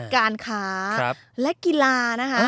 การค้าและกีฬานะคะ